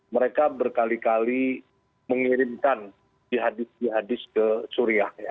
mereka berkali kali mengirimkan jihadis jihadis ke suriah